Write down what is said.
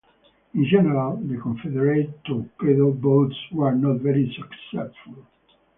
In general, the Confederate torpedo boats were not very successful.